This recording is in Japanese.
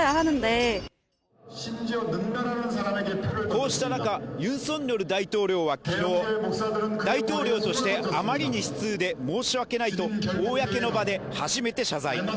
こうした中、ユン・ソンニョル大統領は昨日大統領として、あまりに悲痛で申し訳ないと公の場で初めて謝罪。